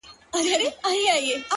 سترگي دي ژوند نه اخلي مرگ اخلي اوس’